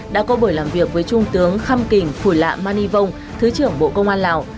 đã có buổi làm việc với trung tướng khăm kỳnh phủy lạm man y vông thứ trưởng bộ công an lào